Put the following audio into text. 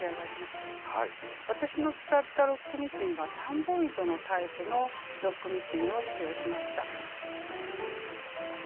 私の使ったロックミシンは３本糸のタイプのロックミシンを使用しました。